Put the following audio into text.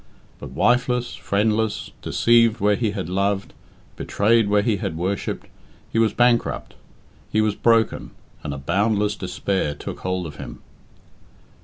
But wifeless, friendless, deceived where he had loved, betrayed where he had worshipped, he was bankrupt, he was broken, and a boundless despair took hold of him.